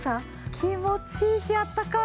気持ちいいしあったかい。